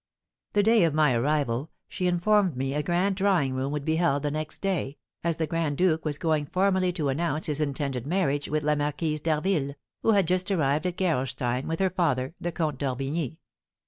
The day of my arrival she informed me a grand drawing room would be held the next day, as the grand duke was going formally to announce his intended marriage with La Marquise d'Harville, who had just arrived at Gerolstein with her father, the Comte d'Orbigny.